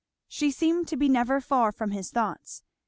She seemed to be never far from his thoughts.